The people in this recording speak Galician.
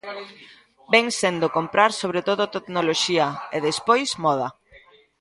Vén sendo comprar sobre todo tecnoloxía, e, despois, moda.